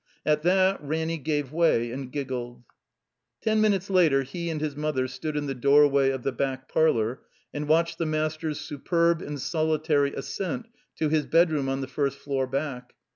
At that Ranny gave way and giggled. Ten minutes later he and his mother stood in the doorway of the back parlor and watched the master's superb and solitary ascent to his bedroom on the first floor back.